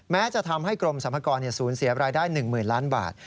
แม้จะทำให้กรมสัมภากรสูญเสียรายได้๑๐๐๐๐๐๐๐บาท